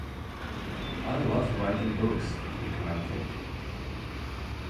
"I love writing books," he commented.